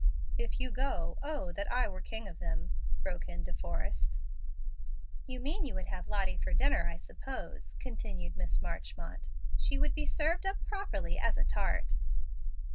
"If you go, O that I were king of them!" broke in De Forrest. "You mean, you would have Lottie for dinner, I suppose," continued Miss Marchmont. "She would be served up properly as a tart."